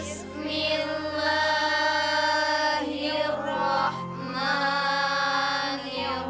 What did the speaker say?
sampai jumpa di video selanjutnya